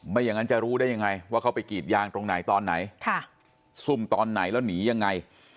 อย่างนั้นจะรู้ได้ยังไงว่าเขาไปกีดยางตรงไหนตอนไหนซุ่มตอนไหนแล้วหนียังไง